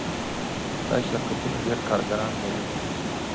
دا شرکتونه ډیر کارګران لري.